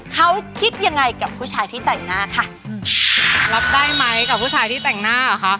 รับได้มั๊ยกับผู้ชายที่แต่งหน้าหรอคะ